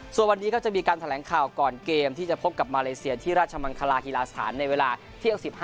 ส่วนวันนี้ก็จะมีการแถลงข่าวก่อนเกมที่จะพบกับมาเลเซียที่ราชมังคลาฮีลาสถานในเวลาเที่ยง๑๕